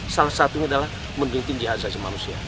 salah satunya adalah menunggu tinggi asas manusia